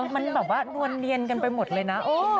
มันแบบว่านวลเนียนกันไปหมดเลยนะ